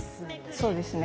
そうですね。